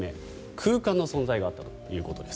空間の存在があったということです。